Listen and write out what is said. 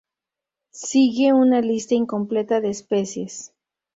Sigue una lista incompleta de especies.